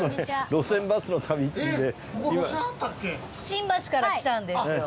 新橋から来たんですよ。